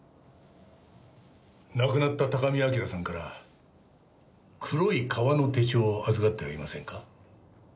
亡くなった高見明さんから黒い革の手帳を預かってはいませんか？